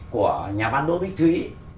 của nhà văn đỗ bích thúy